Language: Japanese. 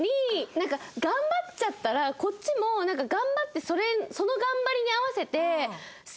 なんか頑張っちゃったらこっちも頑張ってその頑張りに合わせて。